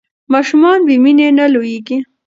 ماشومان بې مینې نه لویېږي.